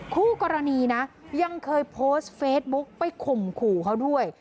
คู่กรณีนะยังเคยโพสต์เฟซบุ๊กไปข่มขู่เขาด้วย